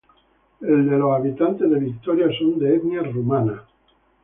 El de los habitantes de Victoria son de etnia rumana.